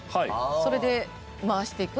それで回していく。